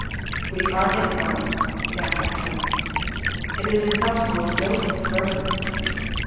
"We are in for it," began Hatteras; "it is impossible to go any further."